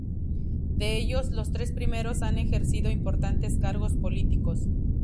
De ellos, los tres primeros han ejercido importantes cargos políticos.